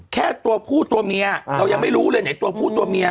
แค่ตัวผู้ตัวเมียเรายังไม่รู้เลยไหนตัวผู้ตัวเมีย